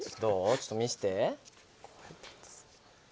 ちょっと見せて。